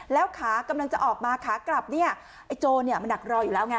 แล้วขากำลังจะออกมาขากลับเนี่ยไอ้โจรเนี่ยมันดักรออยู่แล้วไง